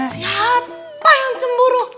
siapa yang cemburu